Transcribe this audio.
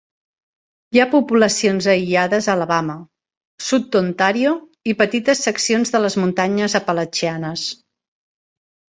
Hi ha poblacions aïllades a Alabama, sud d'Ontario i petites seccions de les muntanyes Apalatxianes